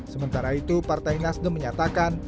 sementara itu partai nasdem menyatakan